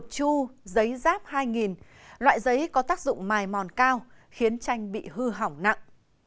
chu giấy ráp hai loại giấy có tác dụng mài mòn cao khiến chanh bị hư hỏng nặng